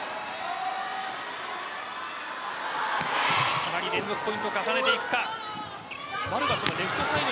さらに連続ポイントを重ねていくか。